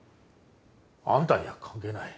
あんたには関係ない。